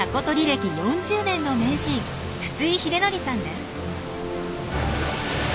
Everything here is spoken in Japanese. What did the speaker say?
歴４０年の名人筒井秀法さんです。